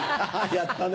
やったね。